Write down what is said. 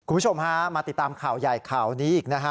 คุณผู้ชมฮะมาติดตามข่าวใหญ่ข่าวนี้อีกนะฮะ